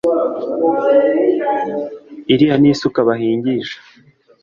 iriya ni isuka bahingisha,